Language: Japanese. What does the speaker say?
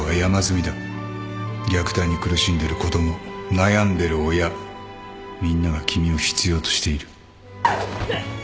虐待に苦しんでる子供悩んでる親みんなが君を必要としている